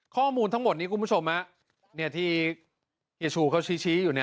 ข้อมูลทั้งหมดนี้คุณผู้ชมที่เฮียชูเขาชี้อยู่เนี่ย